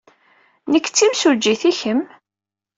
Nekk d timsujjit. I kemm?